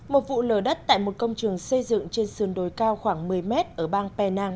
một vụ lở đất tại một công trường xây dựng trên sườn đồi cao khoảng một mươi mét ở bang penang